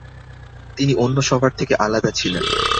তিনি অন্য সবার থেকে আলাদা ছিলেন।